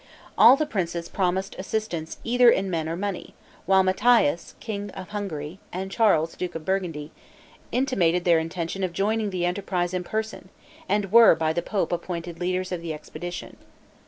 All the princes promised assistance either in men or money; while Matthias, king of Hungary, and Charles, duke of Burgundy, intimated their intention of joining the enterprise in person, and were by the pope appointed leaders of the expedition.